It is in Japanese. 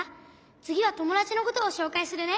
つぎはともだちのことをしょうかいするね。